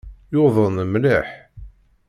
Yuḍen mliḥ.